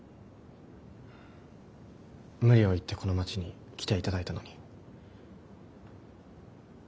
無理を言ってこの街に来ていただいたのに。